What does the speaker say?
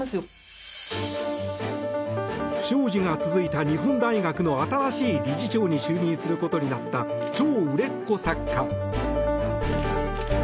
不祥事が続いた日本大学の新しい理事長に就任することになった超売れっ子作家。